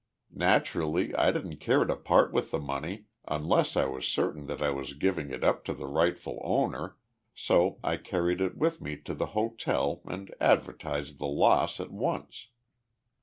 Naturally, I didn't care to part with the money unless I was certain that I was giving it up to the rightful owner, so I carried it with me to the hotel and advertised the loss at once.